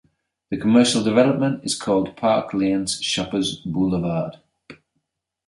The commercial development is called "Park Lane Shopper's Boulevard".